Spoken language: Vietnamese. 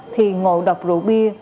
thì ngộ độc rượu bia